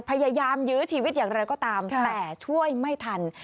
พยายามยื้อชีวิตอย่างไรก็ตามแต่ช่วยไม่ทัน